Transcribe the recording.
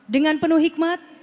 dengan penuh hikmat